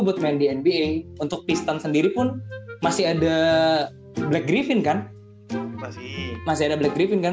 buat main di nba untuk pistan sendiri pun masih ada black driving kan masih ada black driving kan